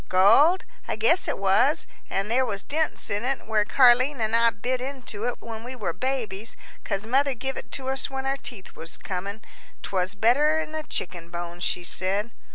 "Gold? I guess it was; and there was dents in it, where Car'line an' I bit into it when we were babies, 'cause mother give it to us when our teeth was comin' 'twas better'n a chicken bone, she said."